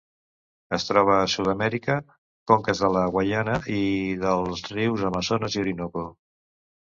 Es troba a Sud-amèrica: conques de la Guaiana i dels rius Amazones i Orinoco.